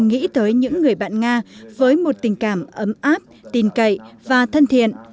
nghĩ tới những người bạn nga với một tình cảm ấm áp tin cậy và thân thiện